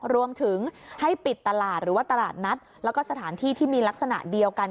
รวมถึงให้ปิดตลาดหรือว่าตลาดนัดแล้วก็สถานที่ที่มีลักษณะเดียวกัน